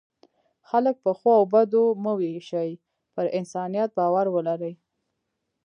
خلک په ښو او بدو مه وویشئ، پر انسانیت باور ولرئ.